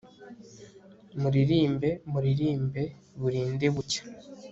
muririmbe, muririmbe, burinde bucya